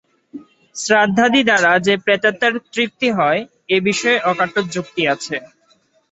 শ্রাদ্ধাদি দ্বারা যে প্রেতাত্মার তৃপ্তি হয়, এ বিষয়ে অকাট্য যুক্তি আছে।